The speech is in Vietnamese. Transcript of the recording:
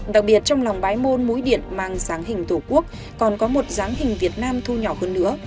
đặc biệt trong lòng bái môn mũi điện mang dáng hình tổ quốc còn có một dáng hình việt nam thu nhỏ hơn nữa